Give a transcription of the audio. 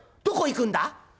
「どこ行くんだ？」。